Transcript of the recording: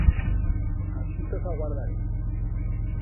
Aquí tos aguardaré.